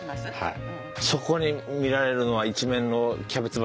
そこに見られるのは一面のキャベツ畑？